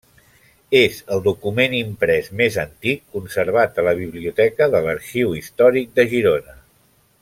És el document imprès més antic conservat a la Biblioteca de l’Arxiu Històric de Girona.